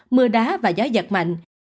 mưa đá và gió giật mạnh